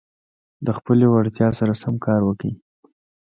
د خپلي وړتیا سره سم کار وکړئ.